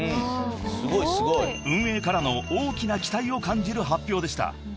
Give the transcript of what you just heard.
［運営からの大きな期待を感じる発表でした］